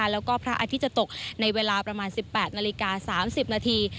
แล้วก็พระอาทิตย์จะตกในเวลาประมาณ๑๘นาฬิกา๓๐นาที